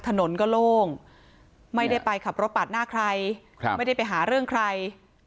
ถนนก็โล่งไม่ได้ไปขับรถปาดหน้าใครไม่ได้ไปหาเรื่องใคร